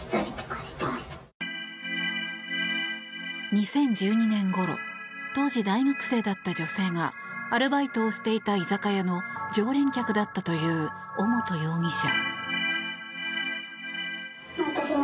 ２０１２年ごろ当時、大学生だった女性がアルバイトをしていた居酒屋の常連客だったという尾本容疑者。